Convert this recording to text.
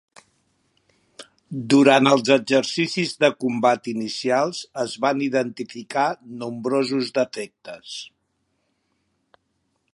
Durant els exercicis de combat inicials es van identificar nombrosos defectes.